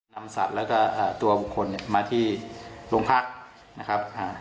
นำสัตว์แล้วก็ตัวบุคคลมาที่โรงพักนะครับ